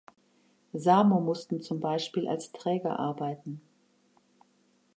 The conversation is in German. Samo mussten zum Beispiel als Träger arbeiten.